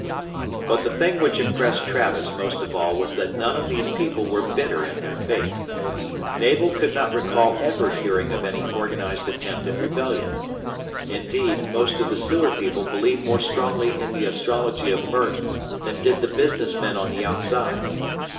But the thing which impressed Travis most of all was that none of these people were bitter at their fate. Navel could not recall ever hearing of any organized attempt at rebellion. Indeed, most of the sewer people believed more strongly in the astrology of Mert than did the business men on the outside.